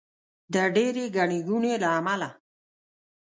د ډېرې ګڼې ګوڼې له امله.